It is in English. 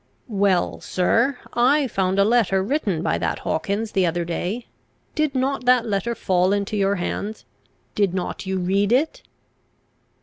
"Well, sir: I found a letter written by that Hawkins the other day; did not that letter fall into your hands? Did not you read it?"